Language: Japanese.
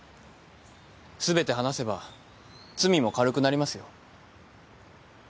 全て話せば罪も軽くなりますよ。